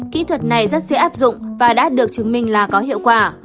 kỹ thuật này rất dễ áp dụng và đã được chứng minh là có hiệu quả